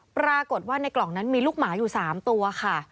ปรากฏว่าในกล่องนั้นมีลูกหมาอยู่๓ตัวค่ะ